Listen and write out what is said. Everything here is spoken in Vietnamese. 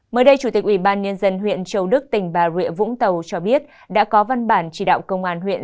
mới đây chủ tịch ubnd huyện châu đức tỉnh bà rịa vũng tàu cho biết đã có văn bản chỉ đạo công an huyện